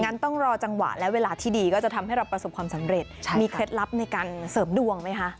ต้องรอจังหวะและเวลาที่ดีก็จะทำให้เราประสบความสำเร็จมีเคล็ดลับในการเสริมดวงไหมคะ